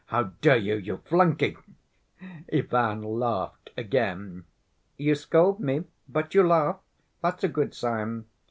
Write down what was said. How dare you, you flunkey!" Ivan laughed again. "You scold me, but you laugh—that's a good sign.